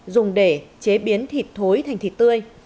dùng để chế biến thịt thối thành thịt tươi